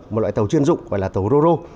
một loại tàu chuyên dụng gọi là tàu rô rô